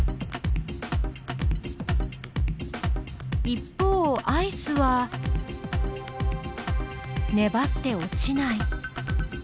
一方アイスはねばって落ちない。